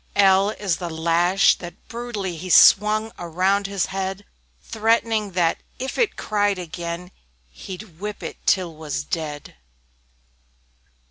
L L is the Lash, that brutally He swung around its head, Threatening that "if it cried again, He'd whip it till 'twas dead."